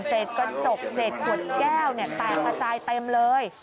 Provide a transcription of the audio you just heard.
เศษกระจกเศษถวดแก้วเนี่ยแตกประจายเต็มเลย